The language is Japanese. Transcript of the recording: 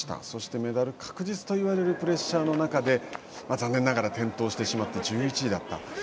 そしてメダル確実と言われるプレッシャーの中で残念ながら転倒してしまって１１位だった。